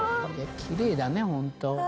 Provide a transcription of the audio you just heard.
きれいだねホント。